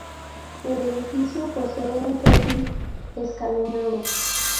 El edificio posee un perfil escalonado.